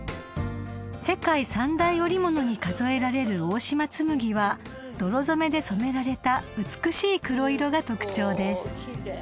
［世界三大織物に数えられる大島紬は泥染めで染められた美しい黒色が特徴です］